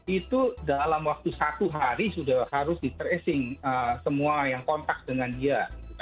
itu dalam waktu satu hari sudah harus di tracing semua yang kontak dengan dia